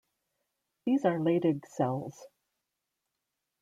These are Leydig cells.